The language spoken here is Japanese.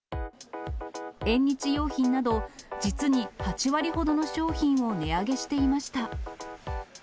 縁日用品など実に８割ほどの商品を値上げしていました。